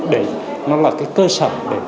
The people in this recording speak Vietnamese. để nó là cơ sở